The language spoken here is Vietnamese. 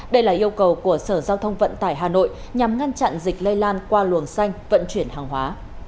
đây là yêu cầu của sở giao thông vận tải hà nội nhằm ngăn chặn dịch lây lan qua luồng xanh vận chuyển hàng hóa